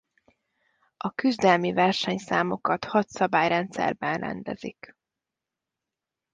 A küzdelmi versenyszámokat hat szabályrendszerben rendezik.